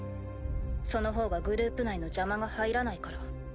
その方がグループ内の邪魔が入らないから。